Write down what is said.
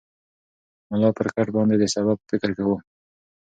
ملا پر کټ باندې د سبا په فکر کې و.